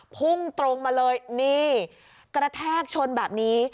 พุ่งตรงมาเลยนี่กระแทกชนแบบนี้